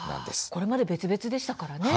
これまで別々でしたからね。